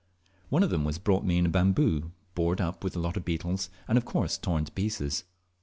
One of them was brought me in a bamboo, bored up with a lot of beetles, and of course torn to pieces.